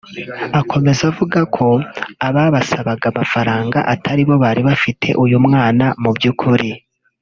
Akomeza avuga ko ababasabaga amafaranga ataribo bari bafite uyu mwana mu by’ukuri